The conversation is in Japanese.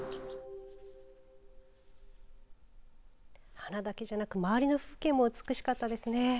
花だけじゃなく周りの風景も美しかったですね。